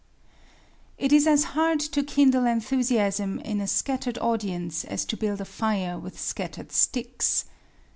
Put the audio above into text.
It is as hard to kindle enthusiasm in a scattered audience as to build a fire with scattered sticks.